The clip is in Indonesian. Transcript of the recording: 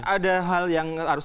ada hal yang harus